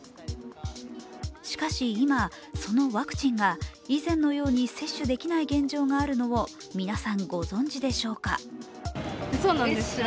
しかし今、そのワクチンが以前のように接種できない現状があるのを皆さんご存じでしょうか？